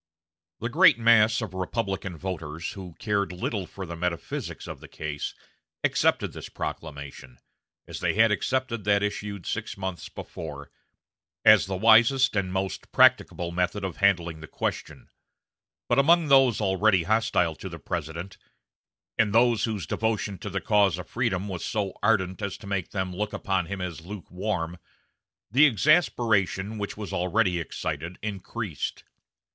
The great mass of Republican voters, who cared little for the "metaphysics" of the case, accepted this proclamation, as they had accepted that issued six months before, as the wisest and most practicable method of handling the question; but among those already hostile to the President, and those whose devotion to the cause of freedom was so ardent as to make them look upon him as lukewarm, the exasperation which was already excited increased.